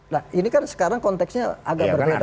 nah ini kan sekarang konteksnya agak berbeda